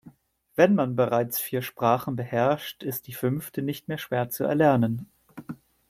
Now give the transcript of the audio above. Wenn man bereits vier Sprachen beherrscht, ist die fünfte nicht mehr schwer zu erlernen.